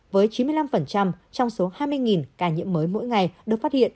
với chín mươi năm trong số hai mươi ca nhiễm mới mỗi ngày được phát hiện